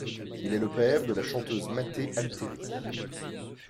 Il est le père de la chanteuse Mathé Altéry.